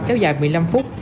kéo dài một mươi năm phút